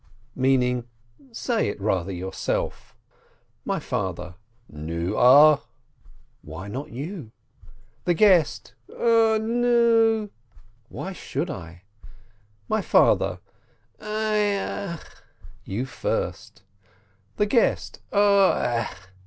(meaning, "Say it rather your self !") My father: "Nu 0?" ("Why not you?") The guest: "0 nu?" ("Why should I?") My father: "1 0 !" ("You first!") The guest: "0 ai